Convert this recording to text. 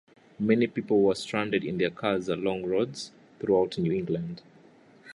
Many people were stranded in their cars along roads throughout New England.